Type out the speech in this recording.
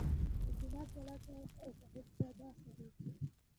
د جومات ملا صاحب او صاحبزاده صاحب.